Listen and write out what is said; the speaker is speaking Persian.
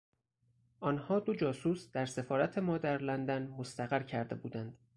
آنها دو جاسوس در سفارت ما در لندن مستقر کرده بودند.